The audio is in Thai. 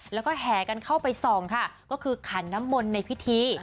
แล้วก็แห่กันเข้าไปส่องค่ะก็คือขันน้ำมนต์ในพิธี